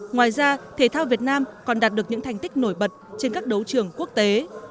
ngoài ra thể thao việt nam còn đạt được những thành tích nổi bật trên các đấu trường quốc tế